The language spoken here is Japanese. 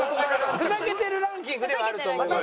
ふざけてるランキングではあると思います。